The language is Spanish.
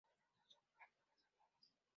Los frutos son cápsulas aladas.